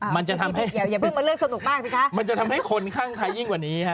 มันจะทำให้อย่าเพิ่งมาเลือกสนุกมากสิคะมันจะทำให้คนข้างใครยิ่งกว่านี้ฮะ